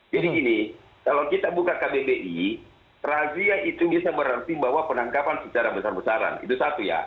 jadi gini kalau kita buka kbbi razia itu bisa berarti bahwa penangkapan secara besar besaran itu satu ya